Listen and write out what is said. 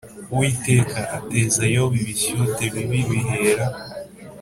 Uwiteka, ateza Yobu ibishyute bibi bihera